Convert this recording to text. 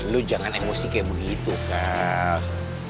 lu jangan emosi kayak begitu kak